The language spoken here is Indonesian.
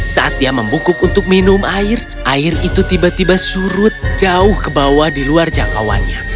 saat dia membukuk untuk minum air air itu tiba tiba surut jauh ke bawah di luar jangkauannya